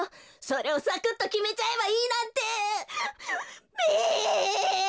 それをサクッときめちゃえばいいなんてべ！